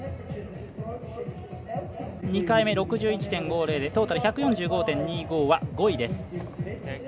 ２回目６１．５０でトータル１４５．２５は５位です。